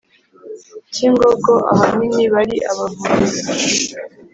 cyingogo, ahanini bari abavumyi.